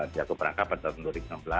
dia keberangkapan tahun dua ribu enam belas